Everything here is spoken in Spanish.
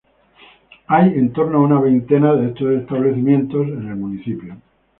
Hay en torno a una veintena de estos establecimientos en el municipio.